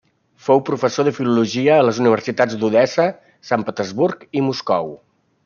Fou professor de fisiologia a les universitats d'Odessa, Sant Petersburg i Moscou.